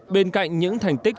bên cạnh những thành tích rất nhiều